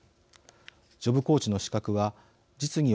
ジョブコーチの資格は実技を含む